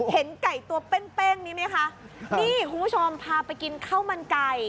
เห็นไก่ตัวเป้งนี้ไหมคะนี่คุณผู้ชมพาไปกินข้าวมันไก่